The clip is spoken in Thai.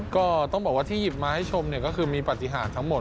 ก็ต้องบอกว่าที่หยิบมาให้ชมก็คือมีปฏิหารทั้งหมด